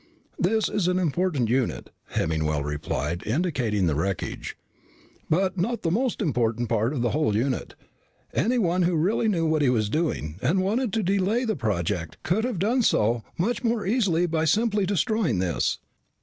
"This is an important unit," Hemmingwell replied, indicating the wreckage, "but not the most important part of the whole unit. Anyone who really knew what he was doing and wanted to delay the project could have done so much more easily by simply destroying this."